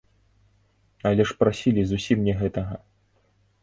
Але ж прасілі зусім не гэтага.